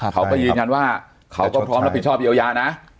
เขาก็ยืนยันว่าเขาก็พร้อมรับผิดชอบเยียวยานะ